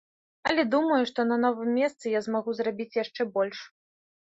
Але думаю, што на новым месцы я змагу зрабіць яшчэ больш.